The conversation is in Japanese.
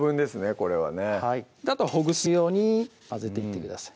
これはねはいあとはほぐすように混ぜていってください